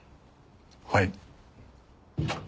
はい。